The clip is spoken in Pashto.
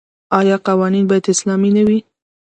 آیا قوانین باید اسلامي نه وي؟